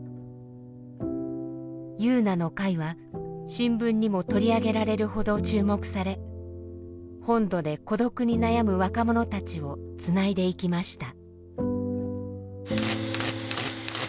ゆうなの会は新聞にも取り上げられるほど注目され本土で孤独に悩む若者たちをつないでいきました。